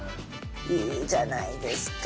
いいじゃないですか。